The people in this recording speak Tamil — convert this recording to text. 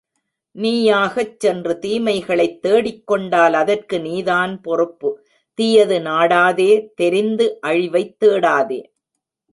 நீயாகச் சென்று தீமைகளைத் தேடிக்கொண்டால் அதற்கு நீதான் பொறுப்பு தீயது நாடாதே தெரிந்து அழிவைத் தேடாதே.